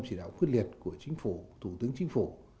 chỉ đạo quyết liệt của chính phủ thủ tướng chính phủ